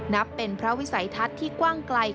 นับเป็นพระวิสัยทัศน์ที่กว้างไกล